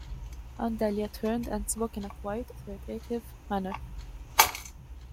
Aunt Dahlia turned and spoke in a quiet, authoritative manner.